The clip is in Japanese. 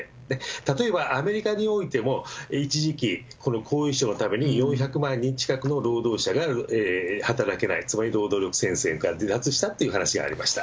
例えばアメリカにおいても一時期、後遺症のために４００万人近くの労働者が働けない、つまり労働力戦線から離脱したっていう話がありました。